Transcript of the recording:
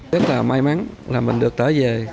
rất là may mắn là mình được trở về